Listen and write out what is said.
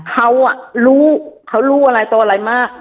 เขารู้เขารู้อะไรตัวอะไรมาก